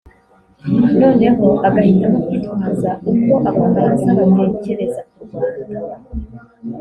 noneho agahitamo kwitwaza uko Abafaransa batekereza k’ uRwanda